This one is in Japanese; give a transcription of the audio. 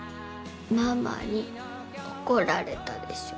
ママに怒られたでしょ。